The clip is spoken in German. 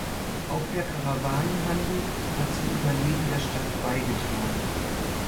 Auch der Karawanenhandel hat zum Überleben der Stadt beigetragen.